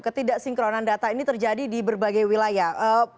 ketidaksinkronan data ini terjadi di berbagai wilayah